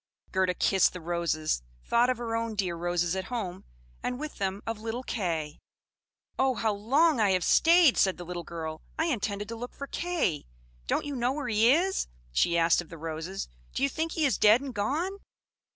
Gerda kissed the roses, thought of her own dear roses at home, and with them of little Kay. "Oh, how long I have stayed!" said the little girl. "I intended to look for Kay! Don't you know where he is?" she asked of the roses. "Do you think he is dead and gone?"